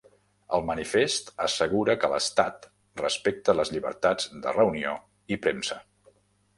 El manifest assegura que l'estat respecta les llibertats de reunió i premsa